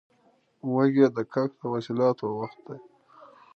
وږی د کښت او حاصلاتو وخت دی.